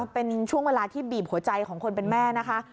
เป็นช่วงเวลาที่บีบหัวใจของคนเป็นแม่นะคะ